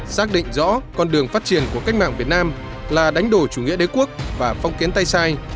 xác định rõ con đường phát triển của cách mạng việt nam là đánh đổ chủ nghĩa đế quốc và phong kiến tay sai